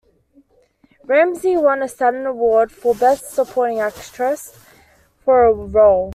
Ramsey won a Saturn Award for Best Supporting Actress for her role.